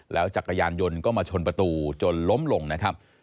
จักรยานยนต์ก็มาชนประตูจนล้มลงนะครับ